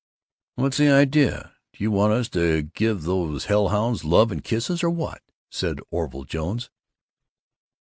"What's the idea? Do you want us to give those hell hounds love and kisses, or what?" said Orville Jones.